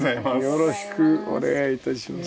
よろしくお願いします。